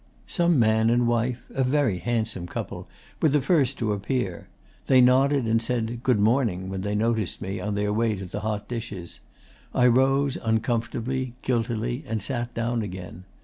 'Some man and wife a very handsome couple were the first to appear. They nodded and said "good morning" when they noticed me on their way to the hot dishes. I rose uncomfortably, guiltily and sat down again.